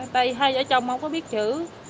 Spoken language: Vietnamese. tại hai vợ chồng không có biết chữ